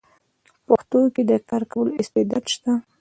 پښتو کې د کار کولو استعداد شته: